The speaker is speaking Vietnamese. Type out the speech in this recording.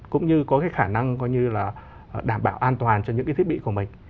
cũng như có cái khả năng đảm bảo an toàn cho những cái thiết bị của mình